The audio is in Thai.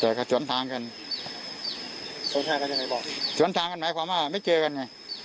แต่ก็สวนทางกันชนท้ายกันยังไงบอกสวนทางกันหมายความว่าไม่เจอกันไง